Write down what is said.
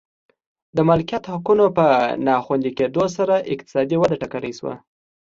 د مالکیت حقونو په ناخوندي کېدو سره اقتصادي وده ټکنۍ شوه.